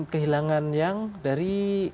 kehilangan yang dari